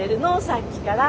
さっきから。